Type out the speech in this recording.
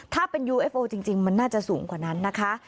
ถ้าเป็นยูเอฟโอจริงมันน่าจะสูงกว่านั้นนะคะ